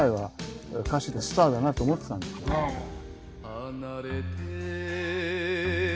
「離れて」